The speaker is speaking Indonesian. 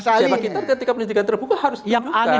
siapa kita ketika penyelidikan terbuka harus ditutupkan